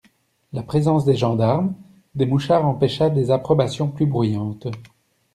La présence des gendarmes, des mouchards empêcha des approbations plus bruyantes.